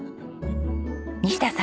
西田さん。